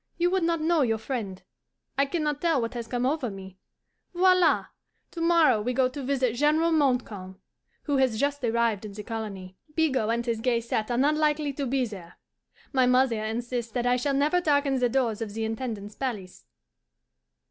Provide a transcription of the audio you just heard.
You would not know your friend. I can not tell what has come over me. Voila! To morrow we go to visit General Montcalm, who has just arrived in the colony. Bigot and his gay set are not likely to be there. My mother insists that I shall never darken the doors of the Intendant's palace.